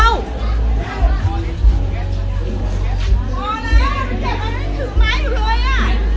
พอแล้วมันจัดการไม่ถือไม้อยู่เลยอ่ะ